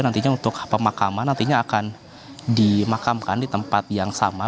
nantinya untuk pemakaman nantinya akan dimakamkan di tempat yang sama